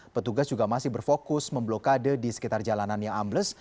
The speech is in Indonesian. petugas juga masih berfokus memblokade di sekitar jalanannya ambles